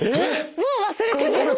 もう忘れてました。